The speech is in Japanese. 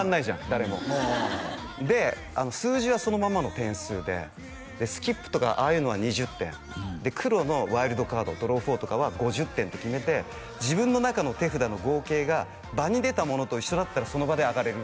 誰もで数字はそのままの点数でスキップとかああいうのは２０点黒のワイルドカードドロー４とかは５０点って決めて自分の中の手札の合計が場に出たものと一緒だったらその場であがれる